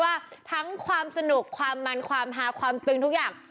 ว่าทั้งความสนุกความมันความหาความตึงทุกอย่าง